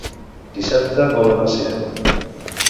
Dissabte vol anar al cinema.